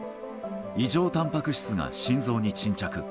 異常たんぱく質が心臓に沈着。